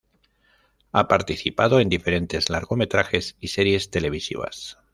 Ha participado en diferentes largometrajes y series televisivas.